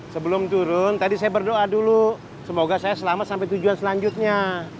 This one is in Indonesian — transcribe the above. sebelum turun tadi saya berdoa dulu semoga saya selamat sampai tujuan selanjutnya